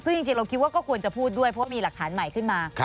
ซึ่งจริงเราคิดว่าก็ควรจะพูดด้วยเพราะมีหลักฐานใหม่ขึ้นมา